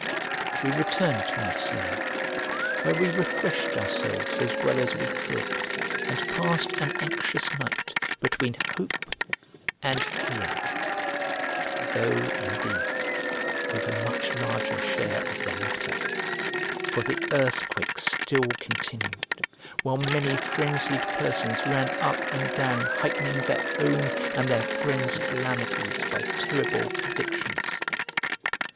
We returned to Misenum, where we refreshed ourselves as well as we could, and passed an anxious night between hope and fear; though, indeed, with a much larger share of the latter: for the earthquake still continued, while many frenzied persons ran up and down heightening their own and their friends' calamities by terrible predictions.